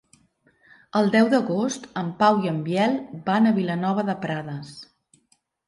El deu d'agost en Pau i en Biel van a Vilanova de Prades.